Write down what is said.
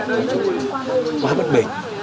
nói chung là quá bất bình